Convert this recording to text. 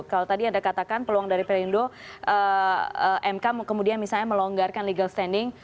kalau tadi anda katakan peluang dari perindo mk kemudian misalnya melonggarkan legal standing